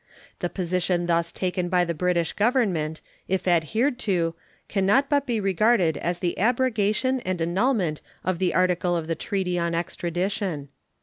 The position thus taken by the British Government, if adhered to, can not but be regarded as the abrogation and annulment of the article of the treaty on extradition.